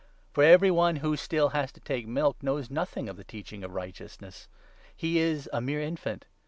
For every one who still has to take 'milk' 13 knows nothing of the Teaching of Righteousness ; he is a mere infant.